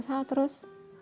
ya berusaha terus